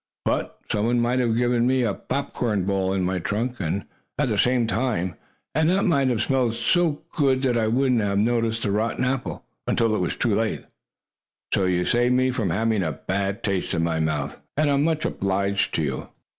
But some one might have given me a popcorn ball in my trunk at the same time, and that might have smelled so good that I wouldn't have noticed the rotten apple until too late. So you saved me from having a bad taste in my mouth, and I'm much obliged to you."